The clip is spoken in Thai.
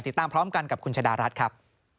ติดตามพร้อมกันกับคุณชะดารัฐครับ